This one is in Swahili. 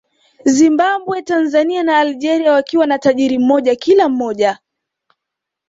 Zimbambwe Tanzania na Algeria wakiwa na tajiri mmoja kila mmoja